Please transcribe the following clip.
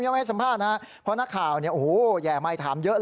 ผมยังไม่สัมภาษณ์เพราะสเปรยาข่าวเนี่ยแหว๋ไหมถามเยอะเลย